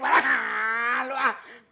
barangkali lo ah